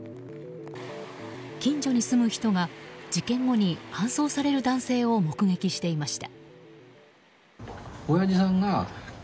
近所に住む人が事件後に搬送される男性を目撃していました。